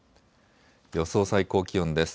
予想最高気温です。